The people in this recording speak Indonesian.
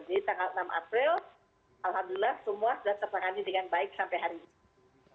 jadi tanggal enam april alhamdulillah semua sudah terangani dengan baik sampai hari ini